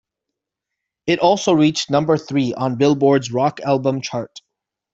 It also reached number three on Billboard's Rock Album Chart.